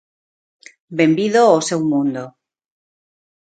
Benvido ao seu mundo.